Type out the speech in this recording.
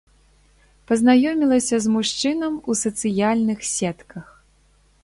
Пазнаёмілася з мужчынам у сацыяльных сетках.